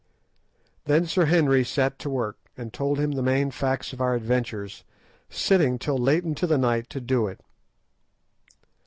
Then Sir Henry set to work, and told him the main facts of our adventures, sitting till late into the night to do it.